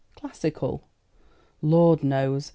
"Classical?" "Lord knows.